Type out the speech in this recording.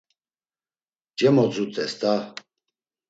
Cemodzut̆es da!